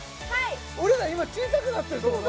俺ら今小さくなってるってこと？